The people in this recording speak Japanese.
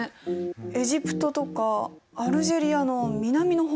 エジプトとかアルジェリアの南の方とか。